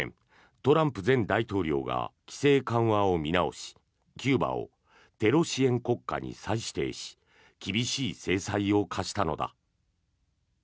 トランプ前大統領が規制緩和を見直しキューバをテロ支援国家に再指定し厳しい制裁を科したのだ。